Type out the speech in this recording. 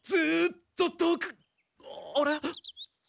あれ？